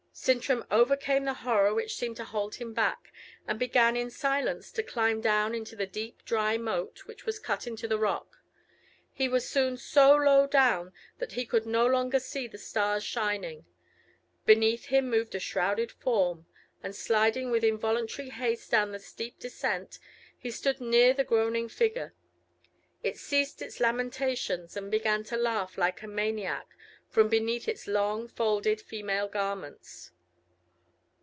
Sintram overcame the horror which seemed to hold him back, and began in silence to climb down into the deep dry moat which was cut in the rock. He was soon so low down that he could no longer see the stars shining; beneath him moved a shrouded form; and sliding with involuntary haste down the steep descent, he stood near the groaning figure; it ceased its lamentations, and began to laugh like a maniac from beneath its long, folded, female garments.